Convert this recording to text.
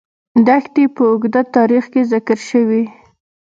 دښتې په اوږده تاریخ کې ذکر شوې.